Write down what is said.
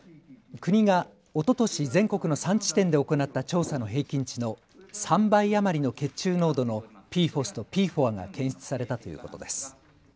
国がおととし全国の３地点で行った調査の平均値の３倍余りの血中濃度のＰＦＯＳとＰＦＯＡが検出されたということです。